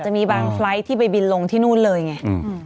จะมีบางไฟล์ทที่ไปบินลงที่นู่นเลยไง